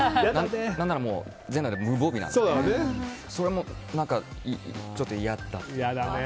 何なら全裸で無防備なのでそれもちょっと嫌だったです。